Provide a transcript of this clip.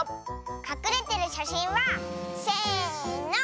かくれてるしゃしんはせの。